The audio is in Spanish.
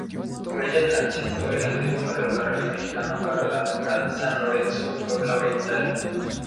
Por ella transitó el antiguo Ferrocarril Mexicano para la ruta San Lorenzo-Puebla-Oriental.